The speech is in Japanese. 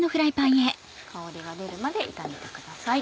香りが出るまで炒めてください。